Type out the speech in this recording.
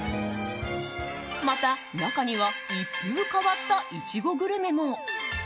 また、中には一風変わったイチゴグルメも。